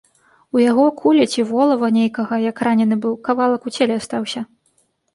У яго кулі ці волава нейкага, як ранены быў, кавалак у целе астаўся.